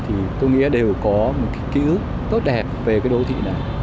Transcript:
thì tôi nghĩ đều có một cái ký ức tốt đẹp về cái đô thị này